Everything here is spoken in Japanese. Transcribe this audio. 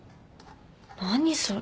何それ。